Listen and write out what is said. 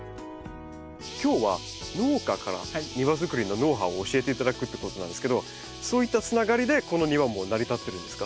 今日は農家から庭づくりのノウハウを教えていただくってことなんですけどそういったつながりでこの庭も成り立ってるんですか？